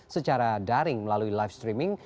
secara daring melalui live streaming